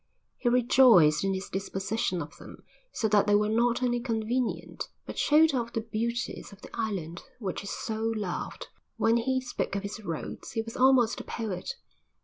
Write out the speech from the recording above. He rejoiced in his disposition of them so that they were not only convenient, but showed off the beauties of the island which his soul loved. When he spoke of his roads he was almost a poet.